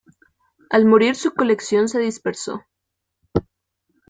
Al morir su colección se dispersó.